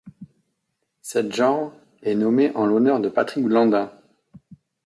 Cette genre est nommé en l'honneur de Patrick Blandin.